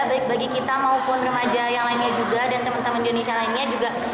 baik bagi kita maupun remaja yang lainnya juga dan teman teman di indonesia lainnya juga